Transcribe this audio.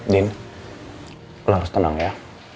din lo harus tenang ya